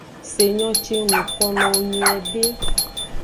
Se nyo ce ng nuko nowo nyuiede.